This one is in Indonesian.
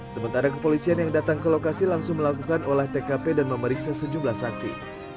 sementara kepolisian yang datang ke lokasi langsung melakukan olah tkp dan memeriksa sejumlah saksi